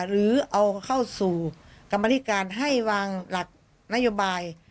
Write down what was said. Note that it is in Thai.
หรือเอาเข้าสู่กรรมธิการให้วางหลักนโยบาย